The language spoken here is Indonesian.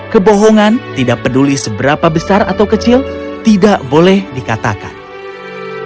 kebohongan tidak peduli seberapa besar atau kecil tidak boleh dikatakan hai hai hai hai